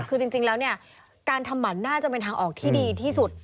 คือจริงแล้วเนี่ยการทำหมันน่าจะเป็นทางออกที่ดีที่สุด